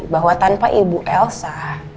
bahwa tanpa ibu elsa